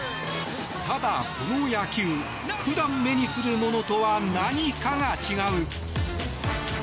ただ、この野球普段目にするものとは何かが違う。